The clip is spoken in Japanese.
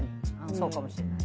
そうかもしれない。